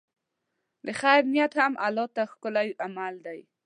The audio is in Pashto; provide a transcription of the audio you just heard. د خیر نیت هم الله ته ښکلی عمل دی.